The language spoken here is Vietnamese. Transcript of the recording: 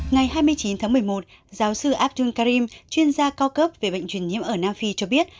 ngày hai mươi chín tháng một mươi một giáo sư abdul karim chuyên gia co cấp về bệnh truyền nhiễm ở nam phi cho biết